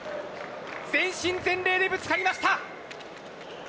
全身全霊でぶつかりました。